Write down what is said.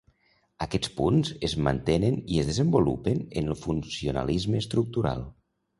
Aquests punts es mantenen i es desenvolupen en el funcionalisme estructural.